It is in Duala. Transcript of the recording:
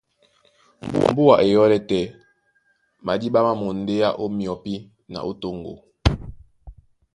Mbùa e yɔ́lɛ́ tɛ́ jǐta, madíɓá má mondéá ó myɔpí na ó toŋgo.